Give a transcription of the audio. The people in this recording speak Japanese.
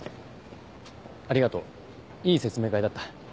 ありがとういい説明会だった。